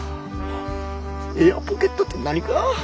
エアポケットって何か？